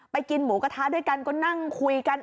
กินหมูกระทะด้วยกันก็นั่งคุยกัน